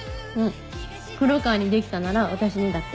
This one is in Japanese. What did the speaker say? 黒川にできたなら私にだって。